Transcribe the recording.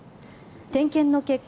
点検の結果